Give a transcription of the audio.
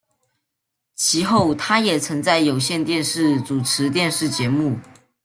其后他也曾在有线电视主持电视节目。